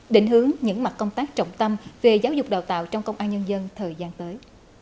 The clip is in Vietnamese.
định hướng những mặt công tác trọng tâm về giáo dục đào tạo trong công an nhân dân thời gian tới